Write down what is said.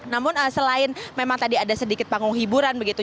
namun selain memang tadi ada sedikit panggung hiburan begitu